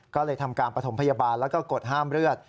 ก็เลยทำการประถมพยาบาลแล้วก็กดห้ามเลือด